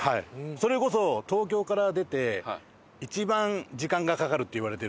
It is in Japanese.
それこそ東京から出て一番時間がかかるって言われてるぐらいのとこ。